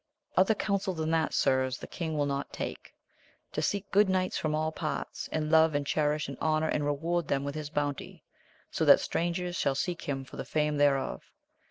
Other counsel than this, sirs, the king will not take ; to seek good knights from all parts, and love and cherish and honour and reward them with his bounty, so that strangers shall seek him for the fame thereof.